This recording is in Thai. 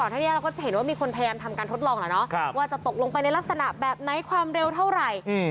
ถ้านี้เราก็จะเห็นว่ามีคนพยายามทำการทดลองแล้วเนาะว่าจะตกลงไปในลักษณะแบบไหนความเร็วเท่าไหร่